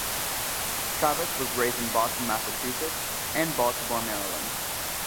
Travis was raised in Boston, Massachusetts, and Baltimore, Maryland.